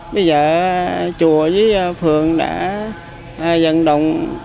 bây giờ chùa với phường đã dần động